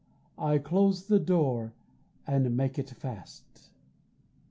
I close the door and make it fast.